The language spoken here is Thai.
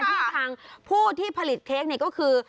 ที่ทางผู้ที่ผลิตเค้กนี่ก็คือ